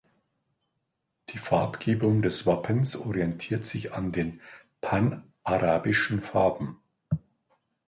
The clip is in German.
Die Farbgebung des Wappens orientiert sich an den Panarabischen Farben.